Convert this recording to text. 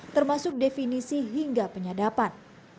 termasuk definisi hingga penyadapan